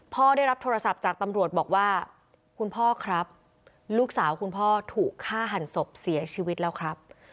พ่อได้รับโทรศัพท์จากตำรวจบอกว่าคุณพ่อครับลูกสาวคุณพ่อถูกฆ่าหันศพเสียชีวิตแล้วครับ